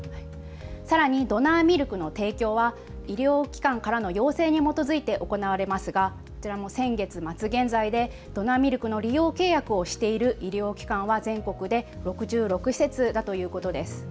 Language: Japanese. さらにドナーミルクの提供は医療機関からの要請に基づいて行われますがこちらも先月末現在でドナーミルクの利用契約をしている医療機関は全国で６６施設だということです。